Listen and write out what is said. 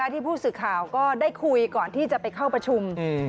ที่ผู้สื่อข่าวก็ได้คุยก่อนที่จะไปเข้าประชุม